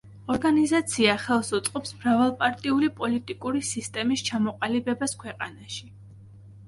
ორგანიზაცია ხელს უწყობს მრავალპარტიული პოლიტიკური სისტემის ჩამოყალიბებას ქვეყანაში.